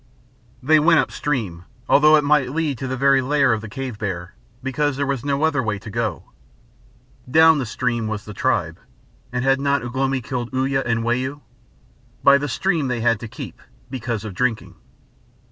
They went up stream, although it might lead to the very lair of the cave bear, because there was no other way to go. Down the stream was the tribe, and had not Ugh lomi killed Uya and Wau? By the stream they had to keep because of drinking.